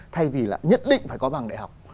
thay vì là nhất định phải có bằng đại học